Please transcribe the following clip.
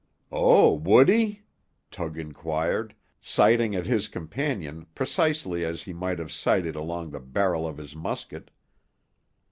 "Oh, would he?" Tug inquired, sighting at his companion precisely as he might have sighted along the barrel of his musket.